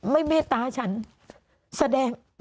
เมตตาฉันแสดง